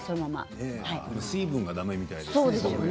水分がだめみたいですね。